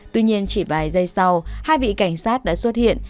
tuy nhiên chỉ vài giây sau hai vị cảnh sát đã xuất hiện